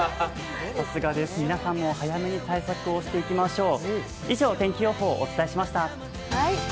皆さんも早めに対策をしていきましょう。